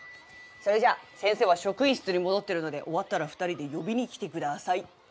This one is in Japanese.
それじゃ先生は職員室にもどってるのでおわったら２人でよびに来てください。